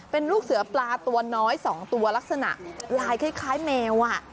เป็นลูกเสือปลาตัวน้อย๒ตัวลักษณะลายคล้ายแมว